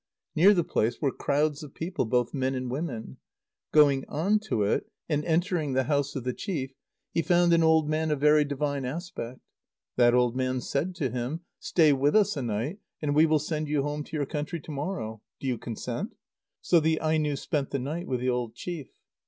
Near the place were crowds of people, both men and women. Going on to it, and entering the house of the chief, he found an old man of very divine aspect. That old man said to him: "Stay with us a night, and we will send you home to your country to morrow. Do you consent?" So the Aino spent the night with the old chief.